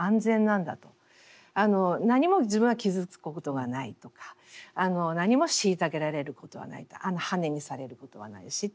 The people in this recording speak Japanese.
何も自分は傷つくことがないとか何も虐げられることはないとはねにされることはないしという。